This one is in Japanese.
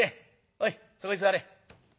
おいそこへ座れ。